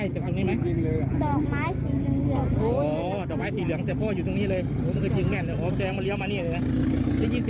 ตัวหมาสีเหลือง